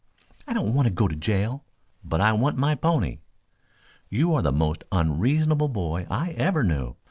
"I don't want to go to jail, but I want my pony." "You are the most unreasonable boy I ever knew.